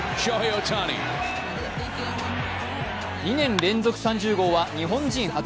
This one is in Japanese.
２年連続３０号は日本人初。